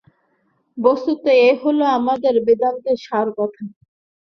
বস্তুত এই হল আমাদের বেদান্তের সার কথা।